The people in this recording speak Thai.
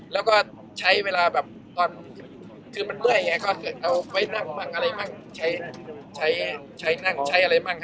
แล้วก็ใช้เวลาคือเมื่อยอ่ะก็เอาไปนั่งอะไรมั่ง